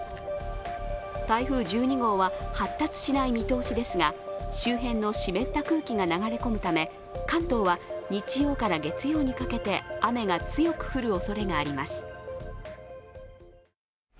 台風１２号は発達しない見通しですが周辺の湿った空気が流れ込むため関東は日曜から月曜にかけて雨が強く降るおそれがあります。